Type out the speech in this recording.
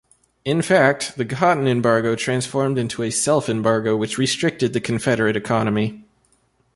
In fact, the cotton embargo transformed into a self-embargo which restricted the Confederate economy.